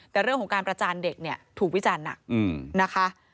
แต่เรื่องของการประจานเด็กเนี่ยถูกวิจารณ์หนักนะคะ